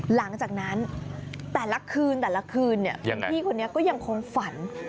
หลังจากนั้นแต่ละคืนพี่คนนี้ก็ยังคงฝัน